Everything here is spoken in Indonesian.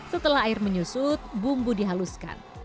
setelah air menyusut bumbu dihaluskan